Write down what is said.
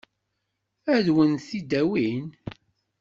Ad wen-t-id-awin?